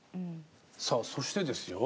さあそしてですよ